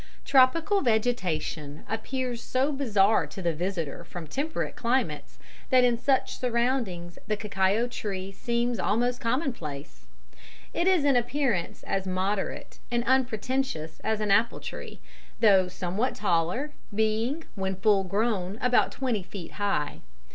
_ Tropical vegetation appears so bizarre to the visitor from temperate climes that in such surroundings the cacao tree seems almost commonplace. It is in appearance as moderate and unpretentious as an apple tree, though somewhat taller, being, when full grown, about twenty feet high.